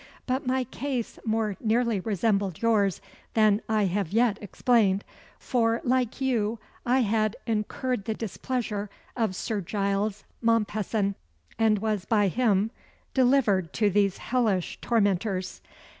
But my case more nearly resembled yours than I have yet explained, for, like you, I had incurred the displeasure of Sir Giles Mompesson, and was by him delivered to these hellish tormentors.